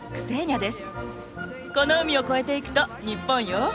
この海を越えていくと日本よ！